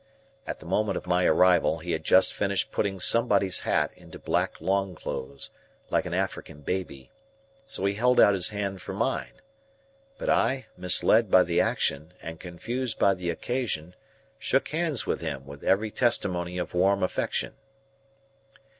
At the moment of my arrival, he had just finished putting somebody's hat into black long clothes, like an African baby; so he held out his hand for mine. But I, misled by the action, and confused by the occasion, shook hands with him with every testimony of warm affection.